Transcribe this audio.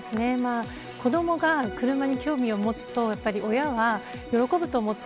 子どもが車に興味を持つと親が喜ぶと思って